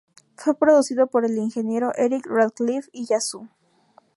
Fue producido por el ingeniero Eric Radcliffe y Yazoo.